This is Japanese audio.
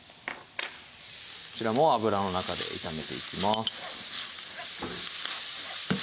こちらも油の中で炒めていきます